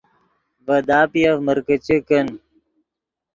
ڤے داپیف مرکیچے کن